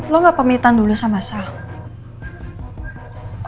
lo gak pemitan dulu sama sal